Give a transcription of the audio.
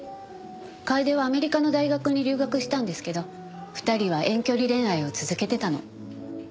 楓はアメリカの大学に留学したんですけど２人は遠距離恋愛を続けてたの。